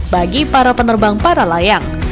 bagi para penerbang para layang